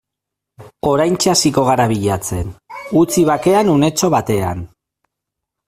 Oraintxe hasiko gara bilatzen, utzi bakean unetxo batean.